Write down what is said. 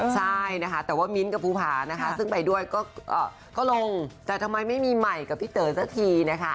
ใช่นะคะแต่ว่ามิ้นท์กับภูผานะคะซึ่งไปด้วยก็ลงแต่ทำไมไม่มีใหม่กับพี่เต๋อสักทีนะคะ